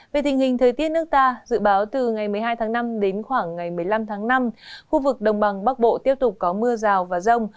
về tình hình thời tiết nước ta dự báo từ ngày một mươi hai tháng năm đến khoảng ngày một mươi năm tháng năm khu vực đồng bằng bắc bộ tiếp tục có mưa rào và rông